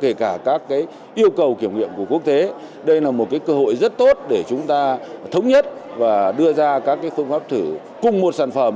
kể cả các yêu cầu kiểm nghiệm của quốc tế đây là một cơ hội rất tốt để chúng ta thống nhất và đưa ra các phương pháp thử cùng một sản phẩm